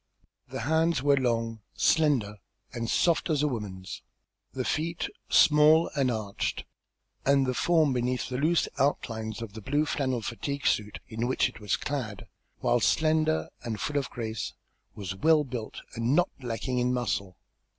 The hands were long, slender, and soft as a woman's; the feet small and arched, and the form beneath the loose outlines of the blue flannel fatigue suit in which it was clad, while slender and full of grace, was well built and not lacking in muscle.